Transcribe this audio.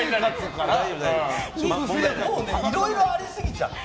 いろいろありすぎちゃって。